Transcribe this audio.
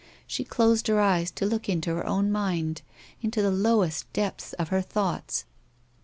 She closed her eyes to look into her own mind, into the lowest depths of her thoughts.